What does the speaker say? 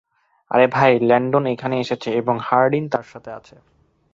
আরে, তাই ল্যান্ডন এখানে এসেছে, এবং হার্ডিন তার সাথে আছে।